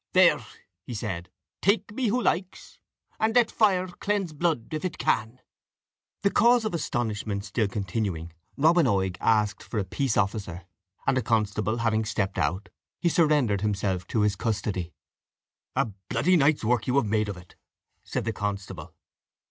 "There," he said, "take me who likes, and let fire cleanse blood if it can." The cause of astonishment still continuing, Robin Oig asked for a peace officer, and a constable having stepped out, he surrendered himself to his custody. "A bloody night's work you have made of it," said the constable.